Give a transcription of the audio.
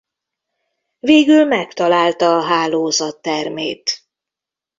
Végül megtalálta a hálózat termét.